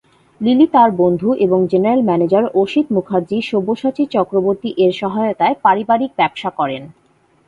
Lily তার বন্ধু এবং জেনারেল ম্যানেজার অসিত মুখার্জি সব্যসাচী চক্রবর্তী এর সহায়তায় পারিবারিক ব্যবসা করেন।